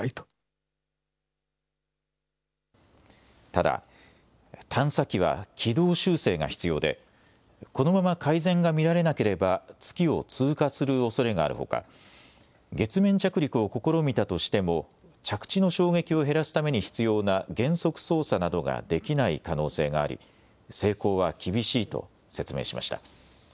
ただ、探査機は軌道修正が必要でこのまま改善が見られなければ月を通過するおそれがあるほか月面着陸を試みたとしても着地の衝撃を減らすために必要な減速操作などができない可能性があり成功は厳しいと説明しました。